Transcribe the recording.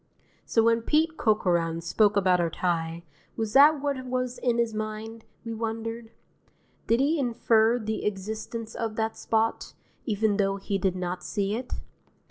So when Pete Corcoran spoke about our tie, was that what was in his mind, we wondered? Did he infer the existence of that spot, even though he did not see it?